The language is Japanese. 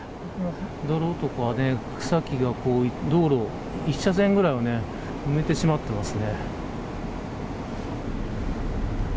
泥とか草木が道路の１車線ぐらいを埋めてしまっています。